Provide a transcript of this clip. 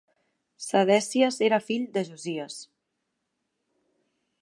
Sedecies era fill de Josies.